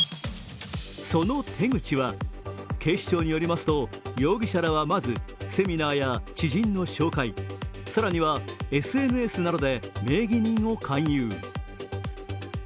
その手口は、警視庁によりますと、容疑者らはまず、セミナーや知人の紹介、更にはＳＮＳなどで名義人を勧誘。